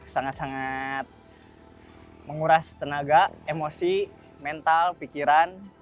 sangat sangat menguras tenaga emosi mental pikiran